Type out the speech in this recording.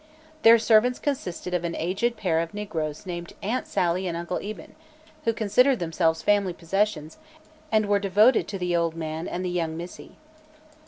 Their servants consisted of an aged pair of negroes named "Aunt Sally" and "Uncle Eben," who considered themselves family possessions and were devoted to "de ole mar'se an' young missy."